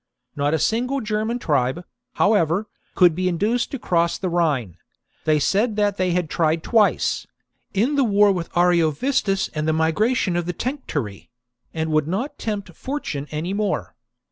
Not a single German tribe, how V THE DOOM OF INDUTIOMARUS 167 ever, could be induced to cross the Rhine : they 54 b.c. said that they had tried twice — in the war with Ariovistus and the migration of the Tencteri — and would not tempt fortune any more.